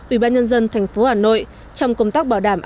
ubnd tp hà nội trong công tác bảo đảm